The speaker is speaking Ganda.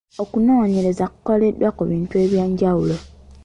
Okunoonyereza kukoleddwa ku bintu eby’enjawulo.